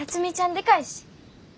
でかいし。